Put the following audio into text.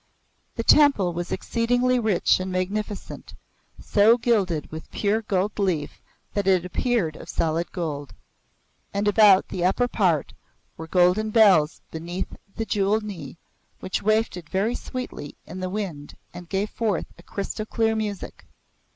The temple was exceedingly rich and magnificent, so gilded with pure gold leaf that it appeared of solid gold. And about the upper part were golden bells beneath the jewelled knee, which wafted very sweetly in the wind and gave forth a crystal clear music.